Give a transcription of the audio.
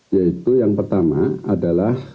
yaitu yang pertama adalah